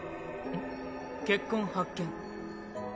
血痕発見。